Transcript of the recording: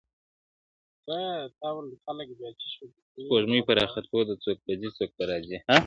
سپوږمۍ پر راختو ده څوک به ځي څوک به راځي-